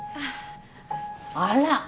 あら！